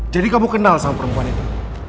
jadi kamu kenal sama perempuan itu